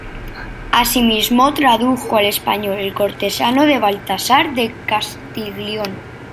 Asimismo, tradujo al español "El Cortesano" de Baltasar de Castiglione.